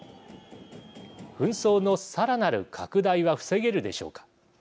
紛争のさらなる拡大は防げるでしょうか。